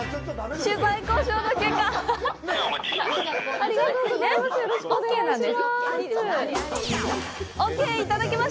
取材交渉の結果ありがとうございます。